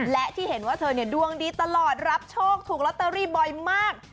และที่เห็นว่าเธอเนี่ยดวงดีตลอดรับโชคถูกลอตเตอรี่บ่อยมาก